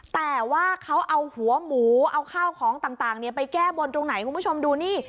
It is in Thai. แต่ว่าเขาเอาหัวหมูเอาข้าวของต่างไปแก้บนตรงไหนคุณผู้ชมดูนี่